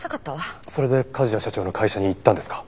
それで梶谷社長の会社に行ったんですか？